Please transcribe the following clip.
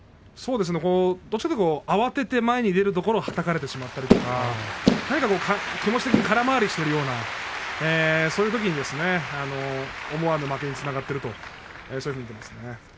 どちらかというと慌てて前に出るところをはたかれてしまったりとか気持ち的に空回りしてしまっているようなそういうときに思わぬ負けにつながっているような感じですね。